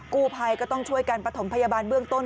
กู้ภัยก็ต้องช่วยกันประถมพยาบาลเบื้องต้น